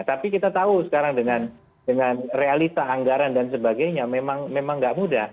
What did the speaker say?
tapi kita tahu sekarang dengan realita anggaran dan sebagainya memang tidak mudah